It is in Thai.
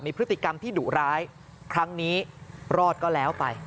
พฤติกรรมที่ดุร้ายครั้งนี้รอดก็แล้วไป